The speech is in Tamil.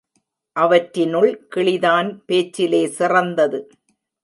அவற்றினுள் கிளிதான் பேச்சிலே சிறந்தது.